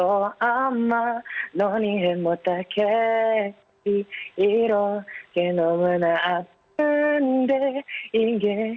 elina menjadi karya vezes sebelumnya kase bloser agregetnya harus berkasi pel najate